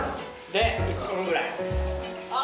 で１分ぐらいあ